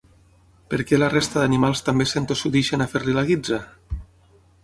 Per què la resta d’animals també s’entossudeixen a fer-li la guitza?